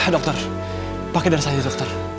dokter pakai dan saya dokter